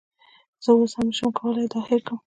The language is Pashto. زه اوس هم نشم کولی دا هیر کړم